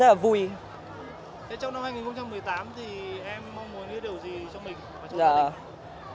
em mong muốn nghĩa điều gì cho mình